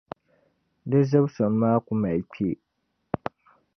di zibisim maa ku mali kpee.